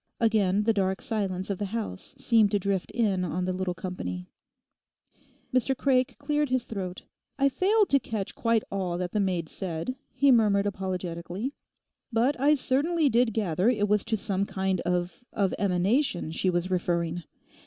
Again the dark silence of the house seemed to drift in on the little company. Mr Craik cleared his throat. 'I failed to catch quite all that the maid said,' he murmured apologetically; 'but I certainly did gather it was to some kind of—of emanation she was referring.